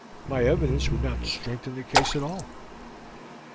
My evidence would not strengthen the case at all."